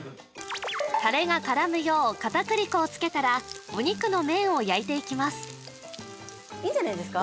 タレが絡むよう片栗粉をつけたらお肉の面を焼いていきますいいんじゃないですか？